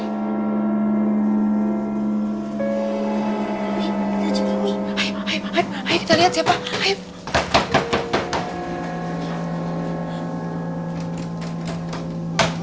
mami kita jemput